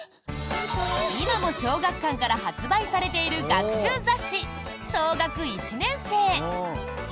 今も小学館から発売されている学習雑誌「小学一年生」。